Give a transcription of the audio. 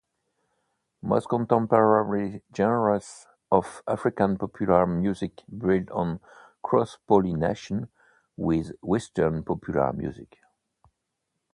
Most contemporary genres of African popular music build on cross-pollination with western popular music.